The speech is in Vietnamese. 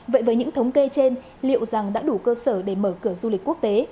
vậy với những thống kê trên liệu rằng đã đủ cơ sở để mở cửa du lịch quốc tế